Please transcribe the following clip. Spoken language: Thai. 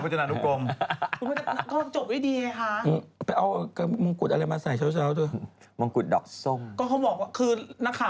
ผมเคยไปกินข้าวมันไก่กับมันดำ